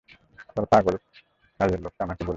ওর পাগল কাজের লোকটা আমাকে বলেছে।